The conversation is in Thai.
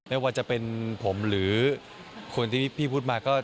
ไม่ว่าจะเป็นผมหรือคนที่พี่พูดมาก็